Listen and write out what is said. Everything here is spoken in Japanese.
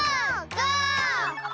ゴー！